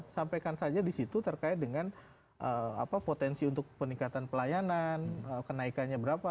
sampaikan saja di situ terkait dengan potensi untuk peningkatan pelayanan kenaikannya berapa